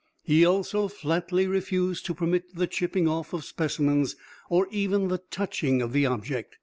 He also flatly refused to permit the chipping off of specimens or even the touching of the object.